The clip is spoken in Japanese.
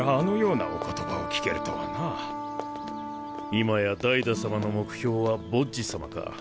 今やダイダ様の目標はボッジ様か。